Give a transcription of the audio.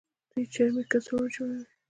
دوی چرمي کڅوړې جوړوي.